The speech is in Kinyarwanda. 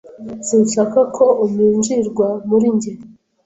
Sinshaka ko umanjirwa muri njye.